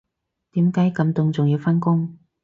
點解咁凍仲要返工